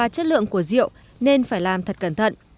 chất lượng của rượu nên phải làm thật cẩn thận